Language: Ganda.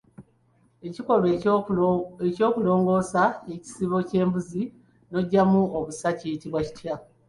Ekikolwa eky'okulongoosa ekisibo ky'embuzi ng'oggyamu obusa kiyitibwa kitya?